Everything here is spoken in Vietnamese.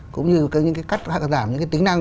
cũng như các cách giảm những tính năng